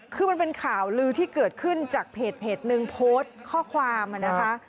คือมันเป็นข่าวลือที่เกิดขึ้นจากเพจนึงโพสต์ข้อความนะคะ